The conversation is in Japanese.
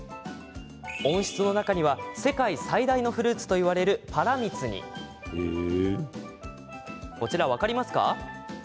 温室には世界最大のフルーツといわれるパラミツにこちら、分かりますか？